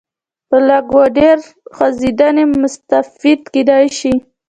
په لږ و ډېرې خوځېدنې مستفید کېدای شي.